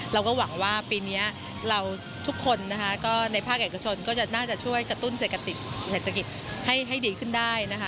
เราก็หวังว่าปีนี้เราทุกคนในภาคแห่งกระชนก็จะน่าจะช่วยกระตุ้นเศรษฐกิจให้ดีขึ้นได้